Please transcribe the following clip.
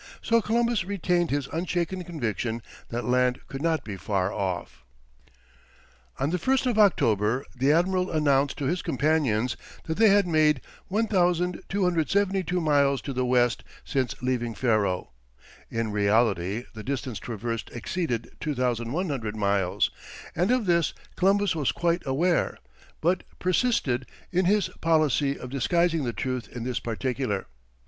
So Columbus retained his unshaken conviction that land could not be far off. On the 1st of October, the admiral announced to his companions that they had made 1272 miles to the west since leaving Ferro; in reality, the distance traversed exceeded 2100 miles, and of this Columbus was quite aware, but persisted in his policy of disguising the truth in this particular.